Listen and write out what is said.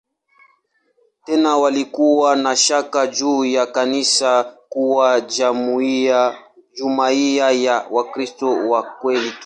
Tena walikuwa na shaka juu ya kanisa kuwa jumuiya ya "Wakristo wa kweli tu".